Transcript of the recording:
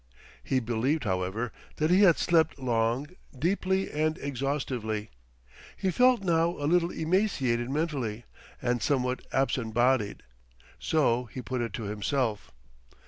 He believed, however, that he had slept long, deeply and exhaustively. He felt now a little emaciated mentally and somewhat absent bodied so he put it to himself.